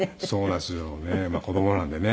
まあ子供なんでね。